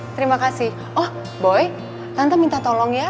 terima kasih oh boy tante minta tolong ya